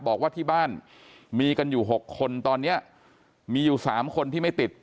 บอกว่าที่บ้านมีกันอยู่๖คนตอนนี้มีอยู่๓คนที่ไม่ติด